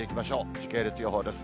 時系列予報です。